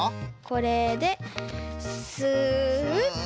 これでスッと。